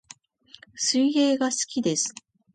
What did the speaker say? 水泳が好きです